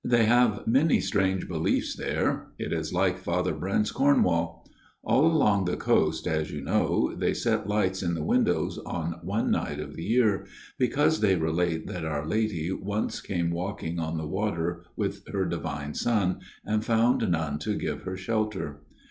They have many strange beliefs there ; it is like Father Brent's Cornwall. All along the coast, as you know, they set lights in the windows on one night of the year ; because they relate that Our Lady once came walking on the water with her Divine Child, and found none to give her shelter.